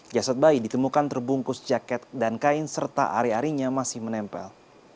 jasad bayi ditemukan terbungkus jaket dan kain serta ari arinya masih menempel